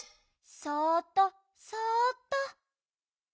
そっとそっと。